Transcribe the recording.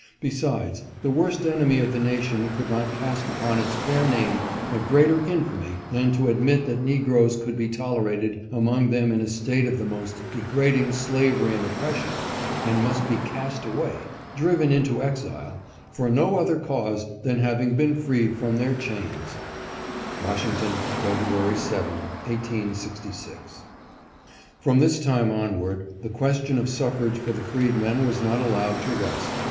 Besides, the worst enemy of the nation could not cast upon its fair name a greater infamy than to ad CHAELES SUMNER. 469 mit that negroes could be tolerated among them in a state of the most degrading slavery and oppression, and must be cast away, driven in to exile, for no other cause than having been freed from their chains Washington, February 7, 1866. From this time onward the question of suffrage for the freedmen was not allowed to rest.